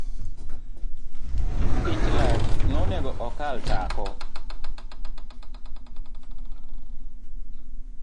Ich lach nonego okal tako